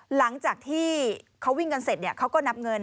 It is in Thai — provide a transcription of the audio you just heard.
หลังจากที่เขาวิ่งกันเสร็จเขาก็นับเงิน